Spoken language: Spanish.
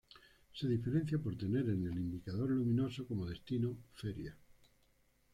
Se diferencia por tener en el indicador luminoso como destino "Feria".